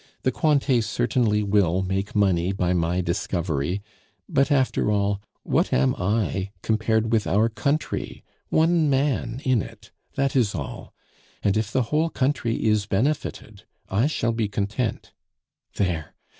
The Cointets certainly will make money by my discovery; but, after all, what am I compared with our country? One man in it, that is all; and if the whole country is benefited, I shall be content. There!